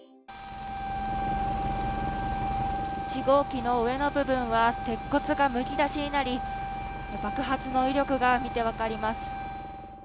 １号機の上の部分は鉄骨がむき出しになり爆発の威力が見て分かります